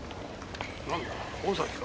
何だ大崎か。